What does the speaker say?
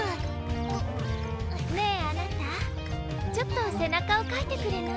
ねえあなたちょっとせなかをかいてくれない？